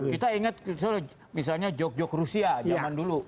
kita ingat misalnya joke joke rusia zaman dulu